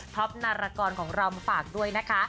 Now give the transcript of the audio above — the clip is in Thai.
ท็อปนรากรของลำฝากด้วยนะคะ